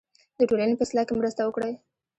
د ټولنې په اصلاح کې مرسته وکړئ.